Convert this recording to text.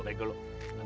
udah gue balik dulu